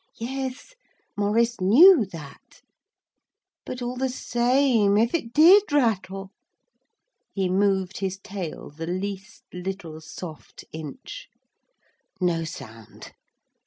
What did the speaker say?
Yes, Maurice knew that. But all the same if it did rattle! He moved his tail the least little soft inch. No sound.